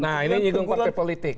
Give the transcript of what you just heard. nah ini gedung partai politik